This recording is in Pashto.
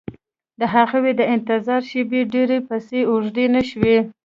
د هغوی د انتظار شېبې ډېرې پسې اوږدې نه شوې